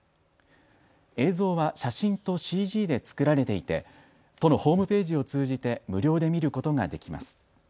映像は写真とＣＧで作られていて都のホームページを通じて無料で見ることができます。